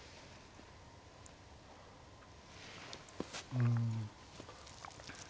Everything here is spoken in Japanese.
うん。